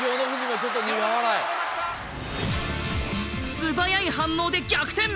素早い反応で逆転！